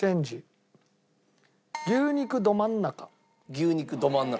牛肉どまん中。